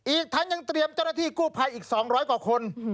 อีกทั้งยังเตรียมเจ้าหน้าที่กู้ภัยอีก๒๐๐กว่าคน